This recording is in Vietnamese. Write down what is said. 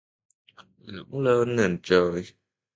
Lơ lửng nền trời